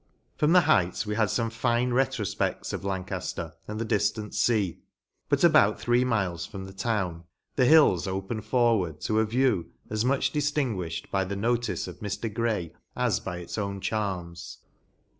From the heights we had fome fine retrofpeds of Lancafter and the diftant fea ; but, about three miles from the town, the hills open forward to a view as much diftinguifhed by the notice of Mr. GRAY, as by its own charms.